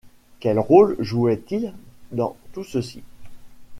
Quel rôle jouait-il dans tout ceci?